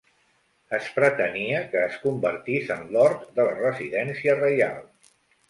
Es pretenia que es convertís en l'hort de la residència reial.